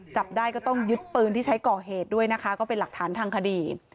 จับได้ก็ต้องยึดปืนที่ใช้ก่อเหตุด้วยนะคะก็เป็นหลักฐานทางคดี